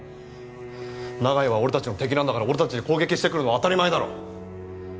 長屋は俺たちの敵なんだから俺たちに攻撃してくるのは当たり前だろ。